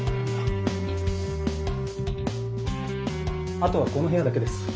あとはこの部屋だけです。